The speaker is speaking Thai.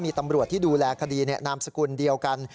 มีตำรวจที่ดูแลคดีนามสกุลเดียวกัน